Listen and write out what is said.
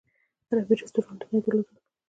عربي رستورانونه یې درلودل.